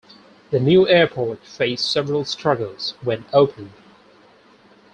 The new airport faced several struggles when opened.